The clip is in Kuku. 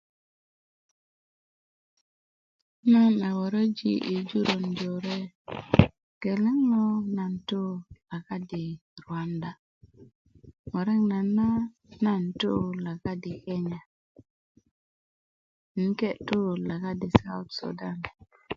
nan a wöröji yi jurön jore geleŋ lo nan tu lakadi ruwanda murek nayit na nan tu lakadi kenya um ke tu lakadi south sudan